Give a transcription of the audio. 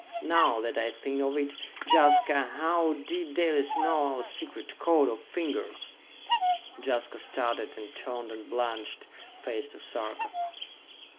Now that I think of it, Jaska, how did Dalis know our secret code of fingers?" Jaska started, and turned a blanched face to Sarka.